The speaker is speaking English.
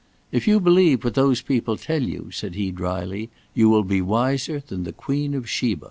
"If you believe what those people tell you," said he drily, "you will be wiser than the Queen of Sheba."